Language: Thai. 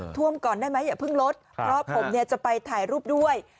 ท่วมก่อนได้ไหมอย่าเพิ่งลดเพราะผมเนี่ยจะไปถ่ายรูปด้วย